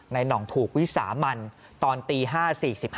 หน่องถูกวิสามันตอนตี๕๔๕